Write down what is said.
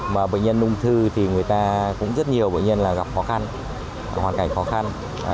mà bệnh nhân ung thư thì người ta cũng rất nhiều bệnh nhân là gặp khó khăn hoàn cảnh khó khăn